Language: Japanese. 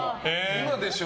今でしょ！